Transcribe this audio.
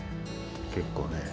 結構ね。